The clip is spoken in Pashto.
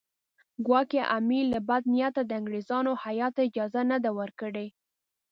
ګواکې امیر له بده نیته د انګریزانو هیات ته اجازه نه ده ورکړې.